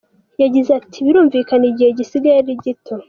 Yagize ati “Birumvikana igihe gisigaye ni gito.